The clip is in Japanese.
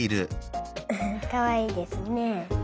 フフッかわいいですね。